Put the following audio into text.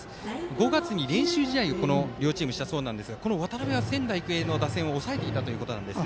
５月に練習試合をこの両チームはしたそうですが渡邉は仙台育英の打線を抑えていたということです。